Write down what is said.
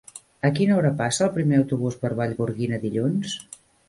A quina hora passa el primer autobús per Vallgorguina dilluns?